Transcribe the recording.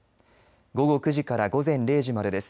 午後９時から午前０時までです。